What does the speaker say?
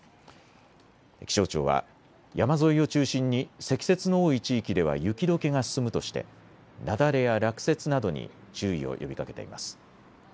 気象庁は山沿いを中心に積雪の多い地域では雪どけが進むとして雪崩や落雪などに注意を呼びかけています。